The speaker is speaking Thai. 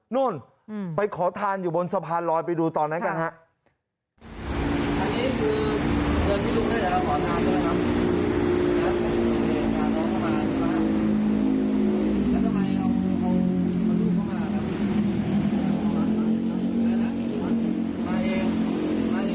นู่นอืมไปขอทานอยู่บนสะพานลอยไปดูต่อนั้นกันฮะค่ะ